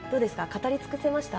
語り尽くせました？